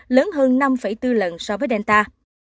lớn hơn năm bốn lần so với delta